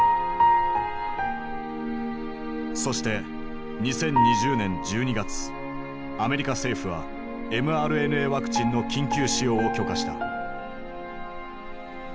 そしてアメリカ政府はｍＲＮＡワクチンの緊急使用を許可した。